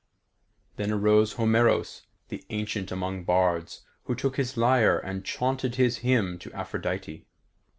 Then arose Homeros, the ancient among bards, who took his lyre and chaunted his hymn to Aphrodite.